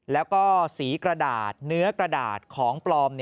แล้วก็สีกระดาษเนื้อกระดาษของปลอม